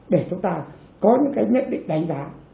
để chúng ta có những cái nhận định đánh giá